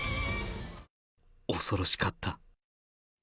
恐ろしかった。